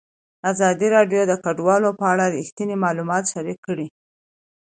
ازادي راډیو د کډوال په اړه رښتیني معلومات شریک کړي.